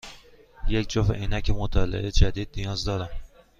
یک جفت عینک مطالعه جدید نیاز دارم.